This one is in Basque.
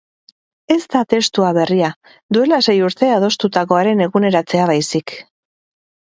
Ez da testua berria, duela sei urte adostutakoaren eguneratzea baizik.